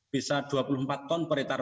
bisa dua puluh empat ton peritar